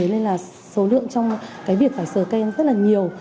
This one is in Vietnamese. nên là số lượng trong việc phải sở khen rất nhiều